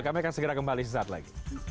kami akan segera kembali sesaat lagi